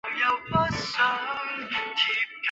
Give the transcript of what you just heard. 它们分布在群岛的所有岛屿上。